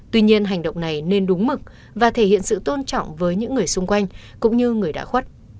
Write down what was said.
tuy nhiên hành động này nên đúng mực và thể hiện sự tôn trọng với những người xung quanh cũng như người đã khuất